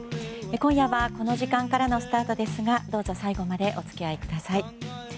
今夜はこの時間からのスタートですがどうぞ、最後までお付き合いください。